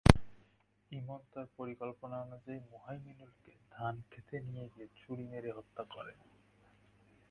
ইমন তাঁর পরিকল্পনা অনুযায়ী মোহাইমিনুলকে ধানখেতের নিয়ে গিয়ে ছুরি মেরে হত্যা করেন।